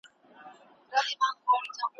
ايا انسان د مذهب په ټاکلو کي ازادي لري؟